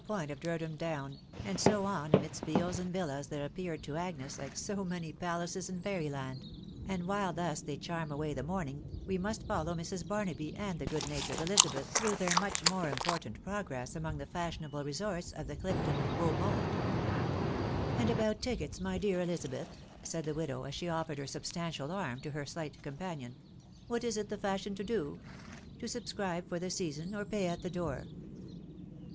point of Durdham Down, and so on amidst fields and villaaythal* appeared to Agnes like so manypalaees in fairyland; and whtie thus they charm away the morning, we roost follow Mia Barnaby and the good natured EUaaheth through their much more important progress among the fashionable resorts* o£ the* Clifton beau monde, " And about tickets, my dear Elisabeth? " said the as she offered her substantial arm to her slight " what is it the fashion to do? To subscribe for the or pay at the door